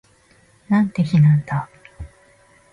なんて日なんだ